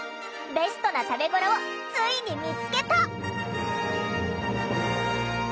ベストな食べごろをついに見つけた！